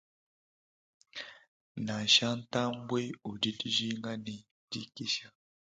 Nansha ntambue udi dijinga ne dikisha.